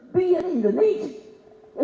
be an indonesian